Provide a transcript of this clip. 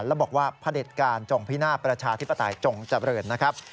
แล้วบอกว่าพระเด็จการจงพินาศประชาธิปไตยจงเจริญนะครับ